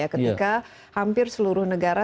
ketika hampir seluruh negara